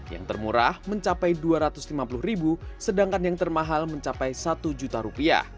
yang termurah mencapai rp dua ratus lima puluh sedangkan yang termahal mencapai rp satu